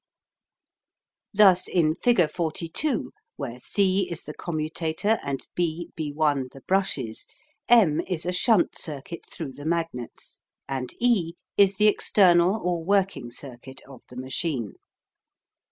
Thus in figure 42 where C is the commutator and b b' the brushes, M is a shunt circuit through the magnets, and E is the external or working circuit of the machine.